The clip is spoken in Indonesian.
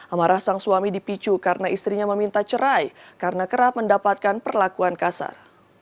amarah sang suami dipicu karena istrinya meminta cerai karena kerap mendapatkan perlakuan kasar